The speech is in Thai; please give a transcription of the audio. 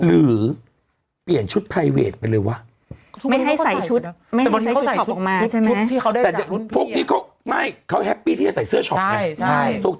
หรือเปลี่ยนชุดไปเลยวะไม่ให้ใส่ชุดไม่ให้ใส่ชุดชอบออกมาใช่ไหมชุดที่เขาได้จากพวกนี้เขาไม่เขาที่จะใส่เสื้อใช่ใช่ถูกต้อง